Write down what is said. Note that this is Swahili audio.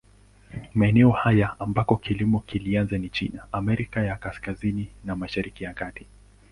Maeneo haya ambako kilimo kilianza ni China, Amerika ya Kaskazini na Mashariki ya Kati.